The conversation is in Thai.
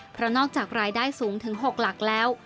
เพราะนอกจากรายได้สูงถึง๖หลักแล้ว